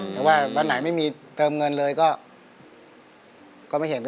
แต่ว่าวันไหนไม่มีเติมเงินเลยก็ไม่เห็น